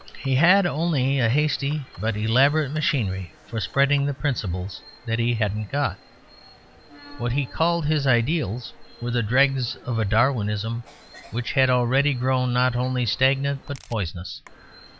He had only a hasty but elaborate machinery for spreading the principles that he hadn't got. What he called his ideals were the dregs of a Darwinism which had already grown not only stagnant, but poisonous.